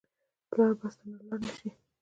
پلاره بس درنه لاړ نه شي.